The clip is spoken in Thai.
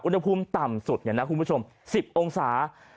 อุณหภูมิต่ำสุดเนี่ยนะคุณผู้ชม๑๐องศา